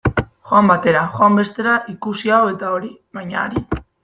Joan batera, joan bestera, ikusi hau eta hori, baina arin.